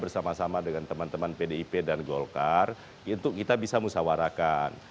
bersama sama dengan teman teman pdip dan golkar itu kita bisa musawarakan